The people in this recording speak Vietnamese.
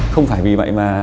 không phải vì vậy mà